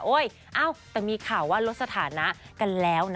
เอ้าแต่มีข่าวว่าลดสถานะกันแล้วนะ